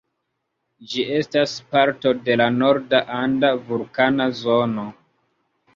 Ĝi estas parto de la Norda Anda Vulkana Zono.